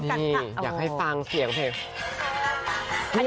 นี่อยากให้ฟังเสียงเพลง